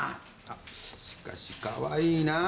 しかし、かわいいな。